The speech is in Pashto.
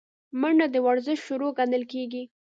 منډه د ورزش شروع ګڼل کېږي